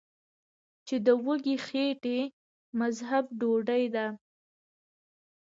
چې د وږې خېټې مذهب ډوډۍ ده ـ